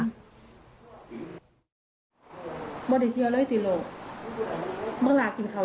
คุณตีบังหลาเหรอ